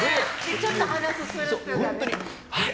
ちょっと鼻すするっていうね。